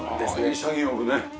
潔くね。